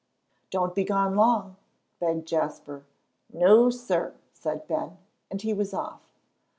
"Don't be gone long," begged Jasper. "No, sir," said Ben, and he was off.